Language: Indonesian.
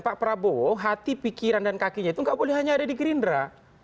pak prabowo hati pikiran dan kakinya itu nggak boleh hanya ada di gerindra